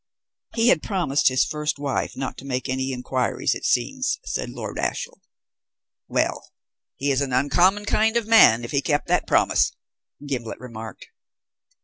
"He had promised his first wife not to make any inquiries, it seems," said Lord Ashiel. "Well, he is an uncommon kind of man if he kept that promise," Gimblet remarked.